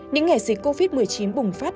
những ngày dịch covid một mươi chín bùng phát